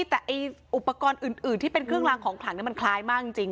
แต่อุปกรณ์อื่นที่เป็นเครื่องลางของขลังมันคล้ายมากจริง